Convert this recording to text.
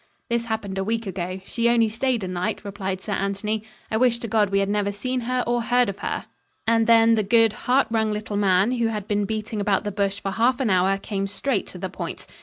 "This happened a week ago. She only stayed a night," replied Sir Anthony. "I wish to God we had never seen her or heard of her." And then the good, heart wrung little man, who had been beating about the bush for half an hour, came straight to the point.